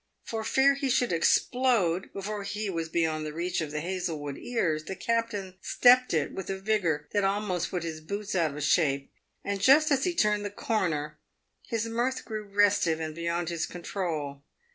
For fear he should explode before he was beyond the reach of the Hazlewood ears, the captain " stepped it" with a vigour that almost put his boots out of shape, and just as he turned the corner his mirth grew restive and beyond his control.